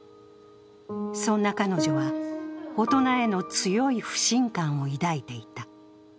そんな彼女は、大人への強い不信感を抱いていた。